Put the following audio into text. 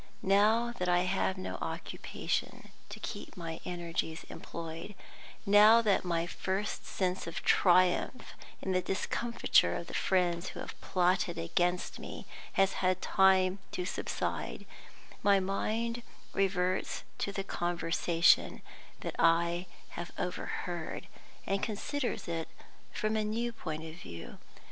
Now that I have no occupation to keep my energies employed, now that my first sense of triumph in the discomfiture of the friends who have plotted against me has had time to subside, my mind reverts to the conversation that I have overheard, and considers it from a new point of view.